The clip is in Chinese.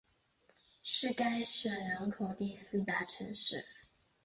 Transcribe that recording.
是该省人口第四大城市。